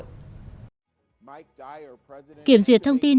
kiểm duyệt thông tin trong thời đại công nghệ thông tin